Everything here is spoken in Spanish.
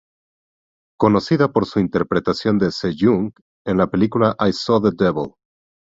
Conocida por su interpretación de Se-jung en la película"I Saw the Devil".